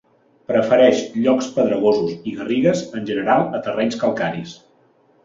Prefereix llocs pedregosos i garrigues, en general a terrenys calcaris.